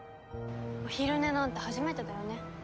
お昼寝なんて初めてだよね。